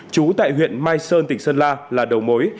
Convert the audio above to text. trú tại huyện mai sơn tỉnh sơn la là đầu mối